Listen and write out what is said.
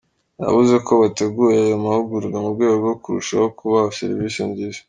Yavuze ko bateguye ayo mahugurwa mu rwego rwo kurushaho kubaha service nziza.